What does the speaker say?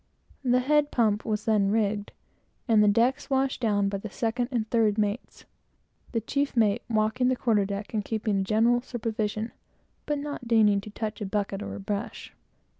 The head pump was then rigged, and the decks washed down by the second and third mates; the chief mate walking the quarter deck and keeping a general supervision, but not deigning to touch a bucket or a brush.